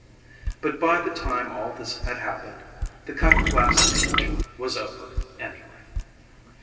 But by the time all this had happened the cut glass age was over, anyway.